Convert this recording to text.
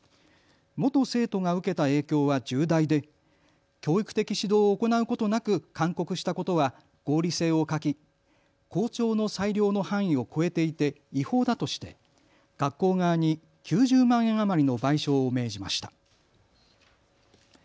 元生徒が受けた影響は重大で教育的指導を行うことなく勧告したことは合理性を欠き校長の裁量の範囲を超えていて違法だとして学校側に９０万円余りの賠償を命じました。